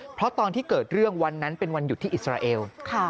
เพราะตอนที่เกิดเรื่องวันนั้นเป็นวันหยุดที่อิสราเอล